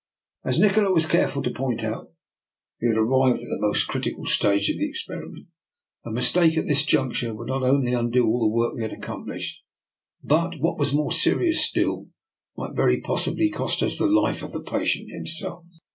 As Nikola was care ful to point out, we had arrived at the most critical stage of the experiment. A mistake at this juncture would not only undo all the work we had accomplished, but, what was more serious still, might very possibly cost us the life of the patient himself.